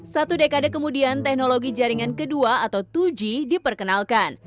satu dekade kemudian teknologi jaringan kedua atau dua g diperkenalkan